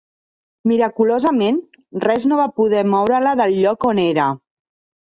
Miraculosament, res no va poder moure-la del lloc on era.